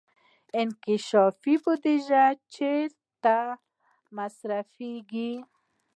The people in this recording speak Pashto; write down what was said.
انکشافي بودجه چیرته مصرفیږي؟